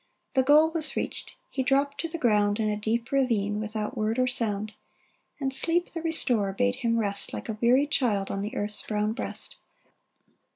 The goal was reached. He dropped to the ground In a deep ravine, without word or sound ; And Sleep, the restorer, bade him rest Like a weary child, on the earth's brown breast.